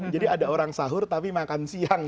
jadi ada orang sahur tapi makan siang